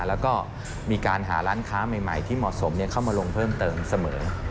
แล้วก็มีการหาร้านค้าใหม่ที่เหมาะสมเข้ามาลงเพิ่มเติมเสมอ